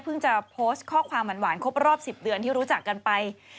จะโพสต์ข้อความหวานครบรอบ๑๐เดือนที่รู้จักกันไป